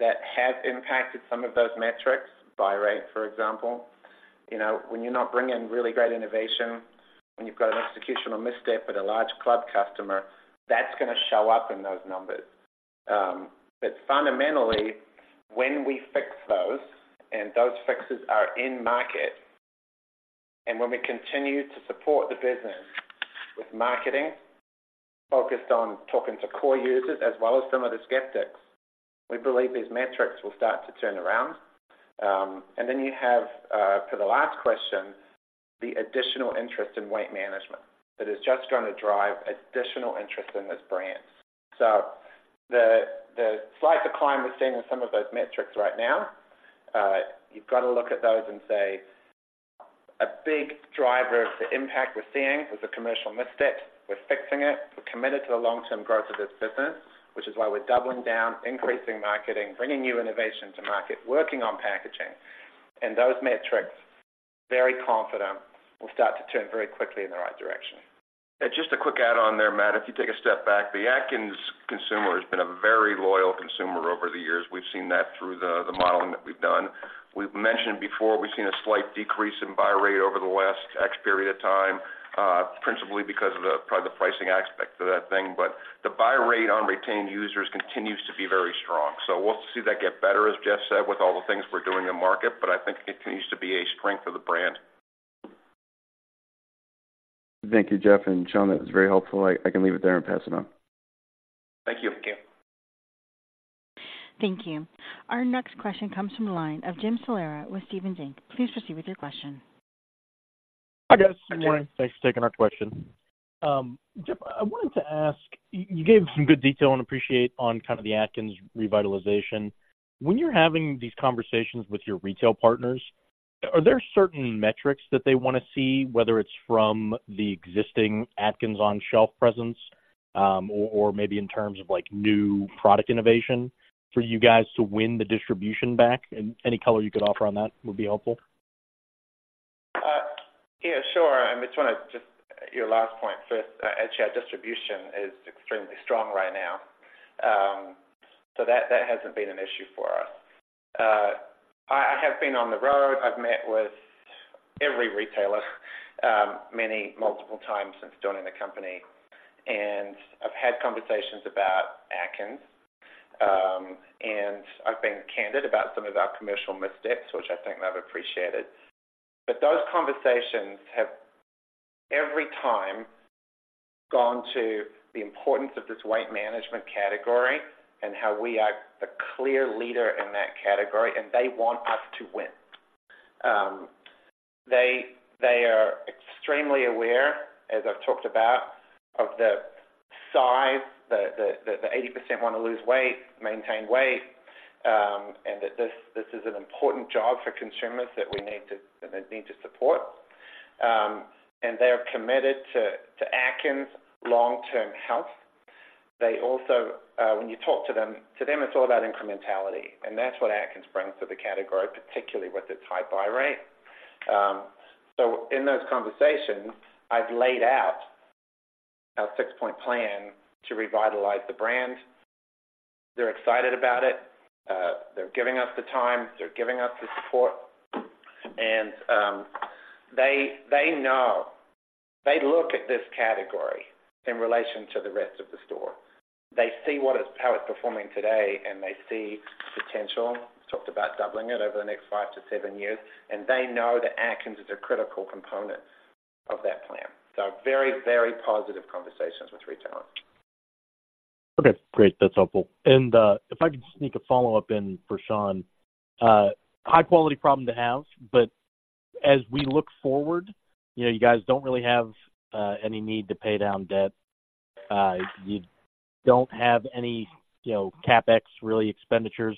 that have impacted some of those metrics, buy rate, for example. You know, when you're not bringing really great innovation, when you've got an executional misstep with a large club customer, that's gonna show up in those numbers. But fundamentally, when we fix those, and those fixes are in market, and when we continue to support the business with marketing, focused on talking to core users as well as some of the skeptics, we believe these metrics will start to turn around. And then you have, for the last question, the additional interest in weight management, that is just going to drive additional interest in this brand. So the, the slight decline we're seeing in some of those metrics right now, you've got to look at those and say, a big driver of the impact we're seeing was a commercial misstep. We're fixing it. We're committed to the long-term growth of this business, which is why we're doubling down, increasing marketing, bringing new innovation to market, working on packaging. Those metrics, very confident, will start to turn very quickly in the right direction. Just a quick add on there, Matt. If you take a step back, the Atkins consumer has been a very loyal consumer over the years. We've seen that through the modeling that we've done. We've mentioned before, we've seen a slight decrease in buy rate over the last X period of time, principally because of the, probably the pricing aspect of that thing. But the buy rate on retained users continues to be very strong. So we'll see that get better, as Geoff said, with all the things we're doing in market, but I think it continues to be a strength of the brand. Thank you, Geoff and Shaun. That was very helpful. I can leave it there and pass it on. Thank you. Thank you. Thank you. Our next question comes from the line of Jim Salera with Stephens Inc. Please proceed with your question. Hi, guys. Good morning. Thanks for taking our question. Geoff, I wanted to ask, you gave some good detail, and appreciate, on kind of the Atkins revitalization. When you're having these conversations with your retail partners, are there certain metrics that they want to see, whether it's from the existing Atkins on-shelf presence, or maybe in terms of, like, new product innovation for you guys to win the distribution back? And any color you could offer on that would be helpful. Yeah, sure. I mean, trying to just, your last point first, actually, our distribution is extremely strong right now. So that, that hasn't been an issue for us. I have been on the road. I've met with every retailer, many, multiple times since joining the company, and I've had conversations about Atkins. And I've been candid about some of our commercial missteps, which I think they've appreciated. But those conversations have, every time, gone to the importance of this weight management category and how we are the clear leader in that category, and they want us to win. They are extremely aware, as I've talked about, of the size, 80% want to lose weight, maintain weight, and that this is an important job for consumers that we need to, and they need to support. And they are committed to Atkins' long-term health. They also, when you talk to them, it's all about incrementality, and that's what Atkins brings to the category, particularly with its high buy rate. So in those conversations, I've laid out our six-point plan to revitalize the brand. They're excited about it. They're giving us the time, they're giving us the support, and they know. They look at this category in relation to the rest of the store. They see what is, how it's performing today, and they see potential. Talked about doubling it over the next five to seven years, and they know that Atkins is a critical component of that plan. So very, very positive conversations with retailers. Okay, great. That's helpful. And, if I could sneak a follow-up in for Shaun. High quality problem to have, but as we look forward, you know, you guys don't really have any need to pay down debt. You don't have any, you know, CapEx, really, expenditures.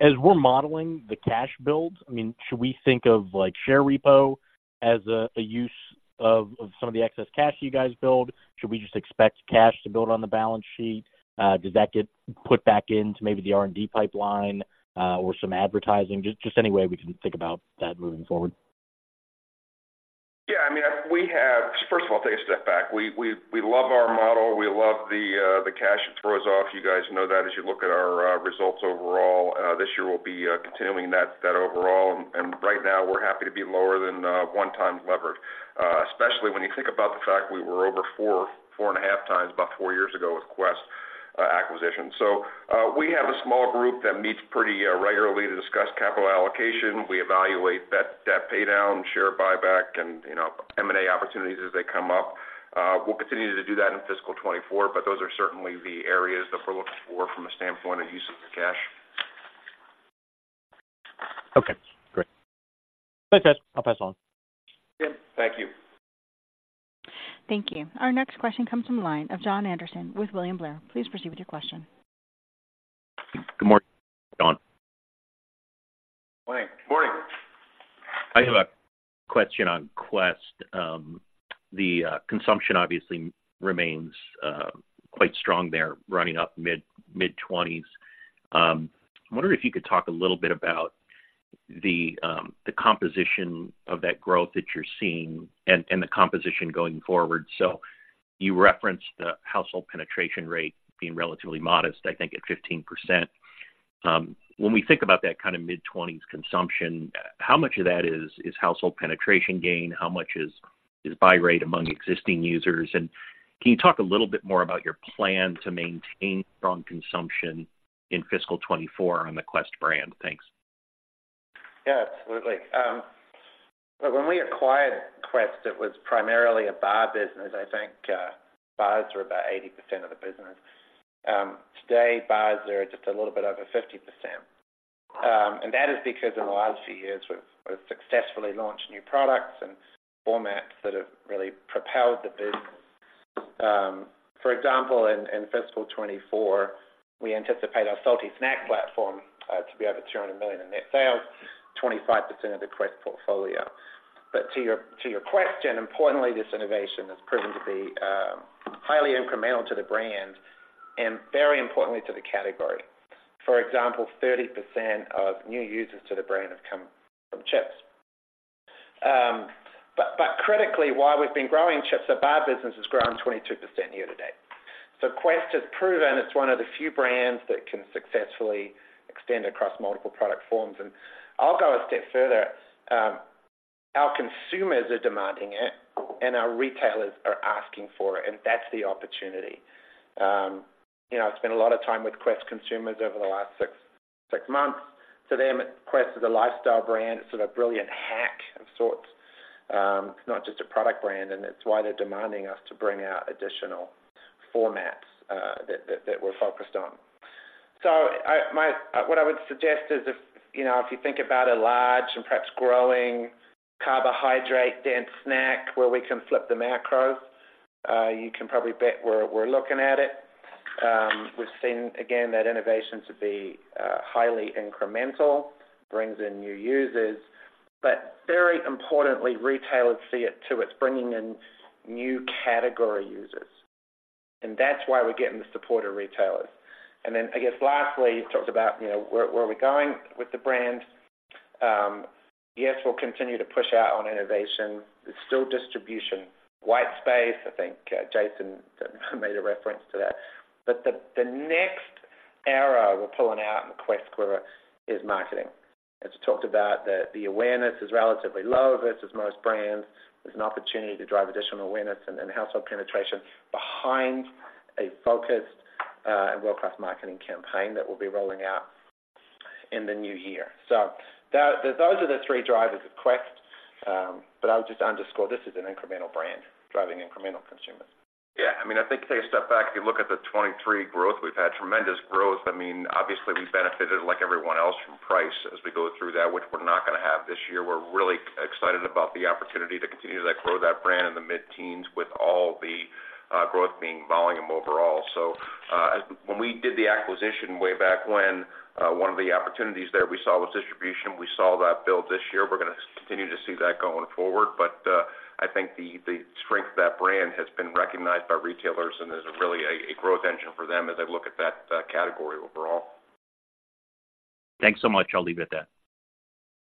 As we're modeling the cash build, I mean, should we think of, like, share repo as a use of some of the excess cash you guys build? Should we just expect cash to build on the balance sheet? Does that get put back into maybe the R&D pipeline, or some advertising? Just any way we can think about that moving forward. Yeah, I mean, we have. First of all, take a step back. We love our model. We love the cash it throws off. You guys know that as you look at our results overall. This year, we'll be continuing that overall, and right now, we're happy to be lower than one times levered. Especially when you think about the fact we were over 4x, 4.5x about four years ago with Quest acquisition. So, we have a small group that meets pretty regularly to discuss capital allocation. We evaluate debt, debt pay down, share buyback, and, you know, M&A opportunities as they come up. We'll continue to do that in fiscal 2024, but those are certainly the areas that we're looking for from a standpoint of use of the cash. Okay, great. Thanks, guys. I'll pass on. Yeah. Thank you. Thank you. Our next question comes from the line of Jon Andersen with William Blair. Please proceed with your question. Good morning. Morning. Morning. I have a question on Quest. The consumption obviously remains quite strong there, running up mid-20s%. I wonder if you could talk a little bit about the composition of that growth that you're seeing and the composition going forward. So you referenced the household penetration rate being relatively modest, I think at 15%. When we think about that kind of mid-20s% consumption, how much of that is household penetration gain? How much is buy rate among existing users? And can you talk a little bit more about your plan to maintain strong consumption in fiscal 2024 on the Quest brand? Thanks. Yeah, absolutely. So when we acquired Quest, it was primarily a bar business. I think, bars were about 80% of the business. Today, bars are just a little bit over 50%. And that is because in the last few years, we've, we've successfully launched new products and formats that have really propelled the business. For example, in fiscal 2024, we anticipate our salty snack platform to be over $200 million in net sales, 25% of the Quest portfolio. But to your, to your question, importantly, this innovation has proven to be highly incremental to the brand and very importantly to the category. For example, 30% of new users to the brand have come from chips. But, but critically, while we've been growing chips, the bar business has grown 22% year to date. So Quest has proven it's one of the few brands that can successfully extend across multiple product forms, and I'll go a step further. Our consumers are demanding it, and our retailers are asking for it, and that's the opportunity. You know, I've spent a lot of time with Quest consumers over the last six months. To them, Quest is a lifestyle brand. It's sort of brilliant hack of sorts, not just a product brand, and it's why they're demanding us to bring out additional formats, that we're focused on. So what I would suggest is if, you know, if you think about a large and perhaps growing carbohydrate-dense snack where we can flip the macros, you can probably bet we're looking at it. We've seen again, that innovation to be highly incremental, brings in new users, but very importantly, retailers see it too. It's bringing in new category users, and that's why we're getting the support of retailers. And then I guess lastly, you talked about, you know, where, where we're going with the brand. Yes, we'll continue to push out on innovation. There's still distribution, white space. I think, Jason made a reference to that. But the next era we're pulling out in the Quest quarter is marketing. As we talked about, the awareness is relatively low versus most brands. There's an opportunity to drive additional awareness and then household penetration behind a focused, and world-class marketing campaign that we'll be rolling out in the new year. So those are the three drivers of Quest, but I'll just underscore this is an incremental brand, driving incremental consumers. Yeah, I mean, I think take a step back. If you look at the 2023 growth, we've had tremendous growth. I mean, obviously, we benefited like everyone else from price as we go through that, which we're not gonna have this year. We're really excited about the opportunity to continue to grow that brand in the mid-teens with all the growth being volume overall. So, when we did the acquisition way back when, one of the opportunities there we saw was distribution. We saw that build this year. We're gonna continue to see that going forward, but I think the strength of that brand has been recognized by retailers, and there's really a growth engine for them as they look at that category overall. Thanks so much. I'll leave it at that.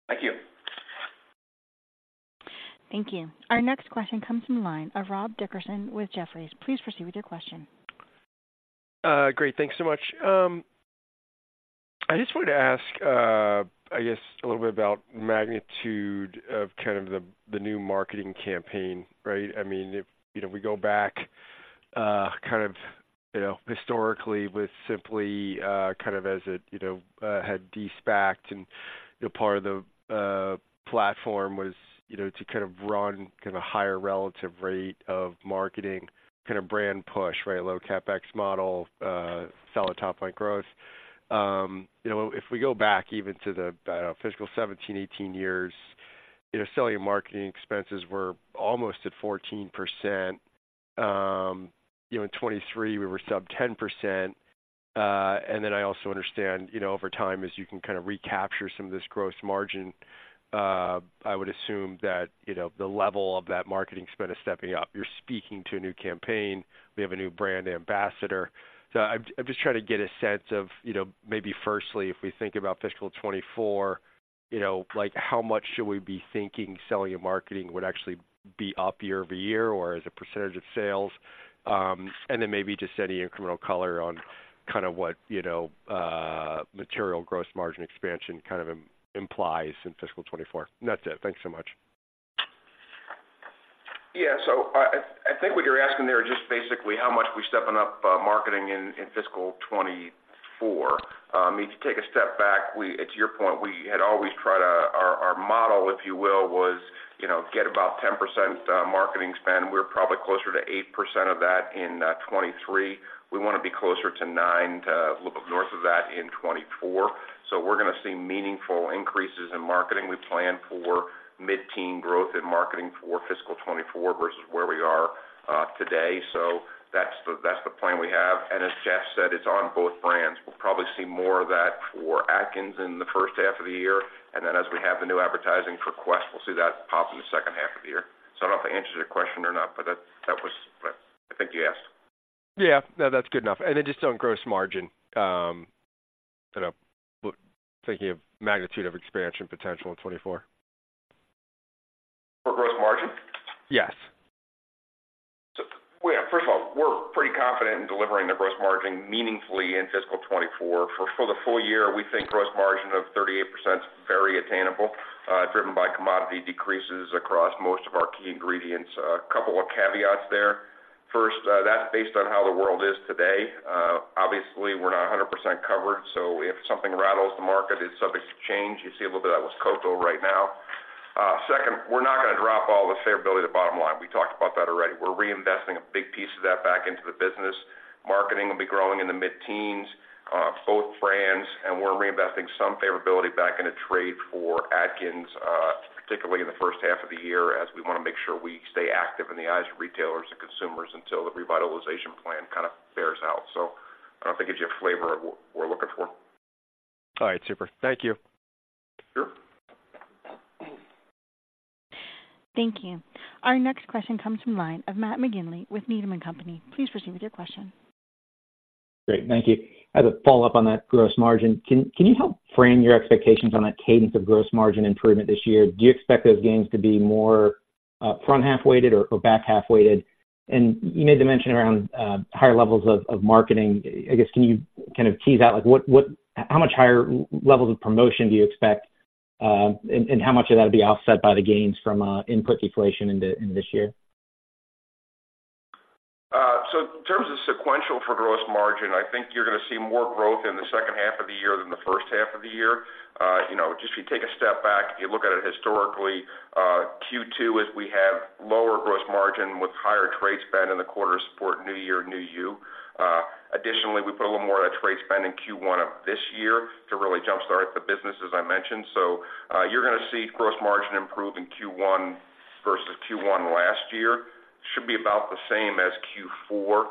Thank you. Thank you. Our next question comes from the line of Rob Dickerson with Jefferies. Please proceed with your question. Great. Thanks so much. I just wanted to ask, I guess a little bit about magnitude of kind of the new marketing campaign, right? I mean, if, you know, we go back, kind of, you know, historically with Simply, kind of as it, you know, had de-SPACed and, you know, part of the platform was, you know, to kind of run kind of a higher relative rate of marketing, kind of brand push, right? Low CapEx model, sell at top line growth. You know, if we go back even to the, fiscal 2017, 2018 years, you know, selling and marketing expenses were almost at 14%. You know, in 2023, we were sub 10%. And then I also understand, you know, over time, as you can kind of recapture some of this gross margin, I would assume that, you know, the level of that marketing spend is stepping up. You're speaking to a new campaign. We have a new brand ambassador. So I'm just trying to get a sense of, you know, maybe firstly, if we think about fiscal 2024, you know, like, how much should we be thinking selling and marketing would actually be up year-over-year or as a percentage of sales? And then maybe just any incremental color on kind of what, you know, material gross margin expansion kind of implies in fiscal 2024. And that's it. Thanks so much. Yeah, so I think what you're asking there is just basically how much we're stepping up marketing in fiscal 2024. If you take a step back, we at your point had always tried our model, if you will, was, you know, get about 10% marketing spend. We're probably closer to 8% of that in 2023. We wanna be closer to 9%, to a little bit north of that in 2024. So we're gonna see meaningful increases in marketing. We plan for mid-teen growth in marketing for fiscal 2024 versus where we are today. So that's the plan we have and as Geoff said, it's on both brands. We'll probably see more of that for Atkins in the first half of the year, and then as we have the new advertising for Quest, we'll see that pop in the second half of the year. So I don't know if I answered your question or not, but that, that was what I think you asked. Yeah, no, that's good enough. And then just on gross margin, kind of thinking of magnitude of expansion potential in 2024. For gross margin? Yes. So, well, first of all, we're pretty confident in delivering the gross margin meaningfully in fiscal 2024. For the full year, we think gross margin of 38% is very attainable, driven by commodity decreases across most of our key ingredients. A couple of caveats there. First, that's based on how the world is today. Obviously, we're not 100% covered, so if something rattles the market, it's subject to change. You see a little bit of that with cocoa right now. Second, we're not gonna drop all the favorability to bottom line. We talked about that already. We're reinvesting a big piece of that back into the business. Marketing will be growing in the mid-teens, both brands, and we're reinvesting some favorability back into trade for Atkins, particularly in the first half of the year, as we wanna make sure we stay active in the eyes of retailers and consumers until the revitalization plan kind of bears out. So I don't know if it gives you a flavor of what we're looking for. All right, super. Thank you. Sure. Thank you. Our next question comes from line of Matt McGinley with Needham & Company. Please proceed with your question. Great. Thank you. As a follow-up on that gross margin, can you help frame your expectations on that cadence of gross margin improvement this year? Do you expect those gains to be more front-half weighted or back-half weighted? And you made the mention around higher levels of marketing. I guess, can you kind of tease out, like, what How much higher levels of promotion do you expect, and how much of that will be offset by the gains from input deflation in this year? So in terms of sequential for gross margin, I think you're gonna see more growth in the second half of the year than the first half of the year. You know, just if you take a step back, if you look at it historically, Q2 is we have lower gross margin with higher trade spend in the quarter to support New Year, New You. Additionally, we put a little more of that trade spend in Q1 of this year to really jump-start the business, as I mentioned. So, you're gonna see gross margin improve in Q1 versus Q1 last year. Should be about the same as Q4.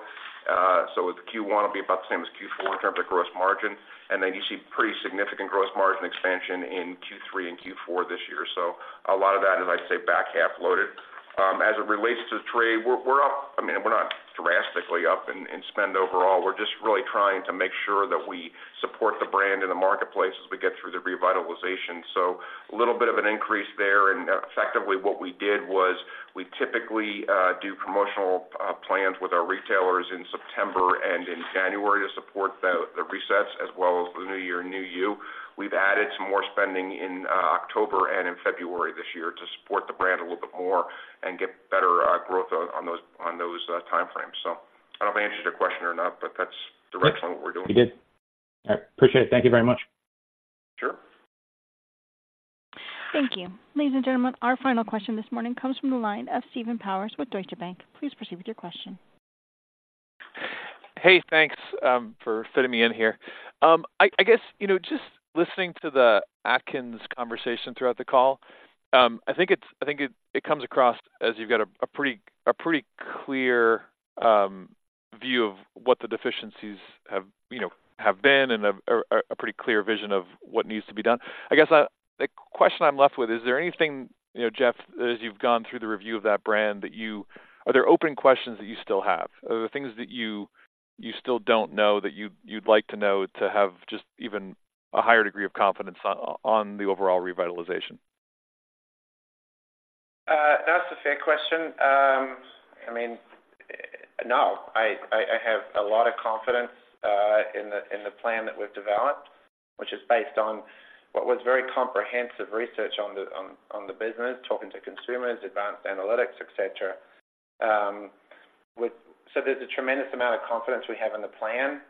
So the Q1 will be about the same as Q4 in terms of gross margin, and then you see pretty significant gross margin expansion in Q3 and Q4 this year. So a lot of that is, I'd say, back-half loaded. As it relates to trade, we're up... I mean, we're not drastically up in spend overall. We're just really trying to make sure that we support the brand in the marketplace as we get through the revitalization. So a little bit of an increase there, and effectively, what we did was we typically do promotional plans with our retailers in September and in January to support the resets as well as the New Year, New You. We've added some more spending in October and in February this year to support the brand a little bit more and get better growth on those time frames. So I don't know if I answered your question or not, but that's directly what we're doing. You did. All right. Appreciate it. Thank you very much. Sure. Thank you. Ladies and gentlemen, our final question this morning comes from the line of Steven Powers with Deutsche Bank. Please proceed with your question. Hey, thanks for fitting me in here. I guess, you know, just listening to the Atkins conversation throughout the call, I think it comes across as you've got a pretty clear view of what the deficiencies have, you know, have been and a pretty clear vision of what needs to be done. I guess, the question I'm left with: Is there anything, you know, Geoff, as you've gone through the review of that brand, that you, are there open questions that you still have? Are there things that you still don't know that you'd like to know to have just even a higher degree of confidence on the overall revitalization? That's a fair question. I mean, no, I have a lot of confidence in the plan that we've developed, which is based on what was very comprehensive research on the business, talking to consumers, advanced analytics, et cetera. So there's a tremendous amount of confidence we have in the plan.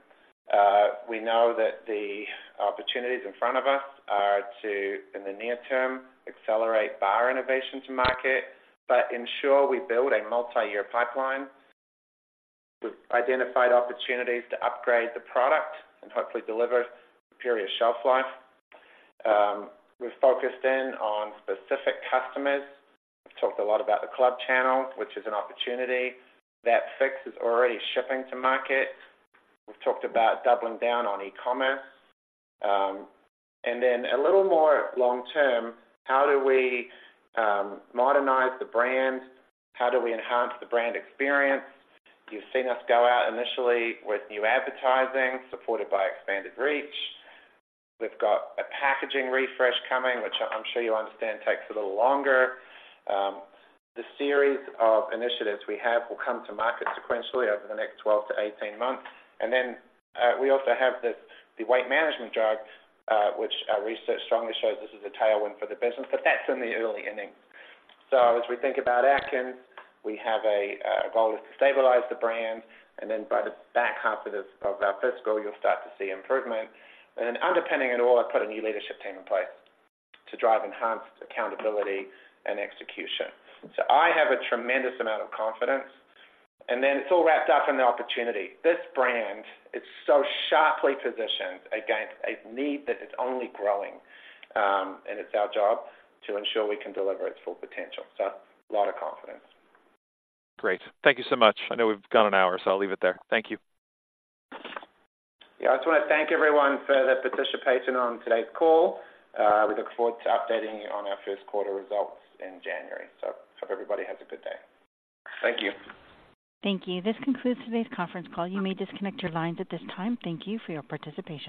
We know that the opportunities in front of us are to, in the near term, accelerate bar innovation to market, but ensure we build a multi-year pipeline. We've identified opportunities to upgrade the product and hopefully deliver superior shelf life. We've focused in on specific customers. We've talked a lot about the club channel, which is an opportunity. That fix is already shipping to market. We've talked about doubling down on e-commerce. And then a little more long-term, how do we modernize the brand? How do we enhance the brand experience? You've seen us go out initially with new advertising, supported by expanded reach. We've got a packaging refresh coming, which I'm sure you understand, takes a little longer. The series of initiatives we have will come to market sequentially over the next 12 to 18 months. And then we also have the, the weight management drug, which our research strongly shows this is a tailwind for the business, but that's in the early innings. So as we think about Atkins, we have a goal is to stabilize the brand, and then by the back half of our fiscal, you'll start to see improvement. And underpinning it all, I've put a new leadership team in place to drive enhanced accountability and execution. I have a tremendous amount of confidence, and then it's all wrapped up in the opportunity. This brand is so sharply positioned against a need that is only growing, and it's our job to ensure we can deliver its full potential. So a lot of confidence. Great. Thank you so much. I know we've gone an hour, so I'll leave it there. Thank you. Yeah, I just wanna thank everyone for their participation on today's call. We look forward to updating you on our first quarter results in January. So hope everybody has a good day. Thank you. Thank you. This concludes today's conference call. You may disconnect your lines at this time. Thank you for your participation.